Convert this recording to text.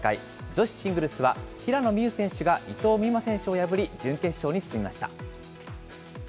女子シングルスは、平野美宇選手が伊藤美誠選手を破り、準決勝に進みました。